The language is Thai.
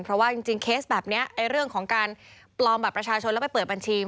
เพราะเรื่องของการปลอมแบบประชาโชนแล้วแบบไปเปิดบัญชี